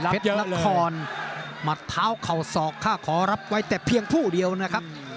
นครหมัดเท้าเข่าศอกค่าขอรับไว้แต่เพียงผู้เดียวนะครับ